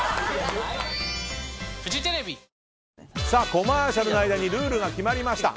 コマーシャルの間にルールが決まりました。